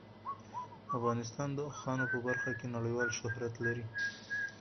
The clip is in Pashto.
افغانستان د اوښانو په برخه کې نړیوال شهرت لري.